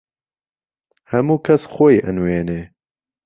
هەموو کەس خۆی ئەنوێنێ